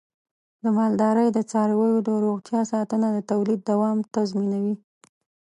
د مالدارۍ د څارویو د روغتیا ساتنه د تولید دوام تضمینوي.